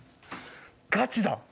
ガチだ。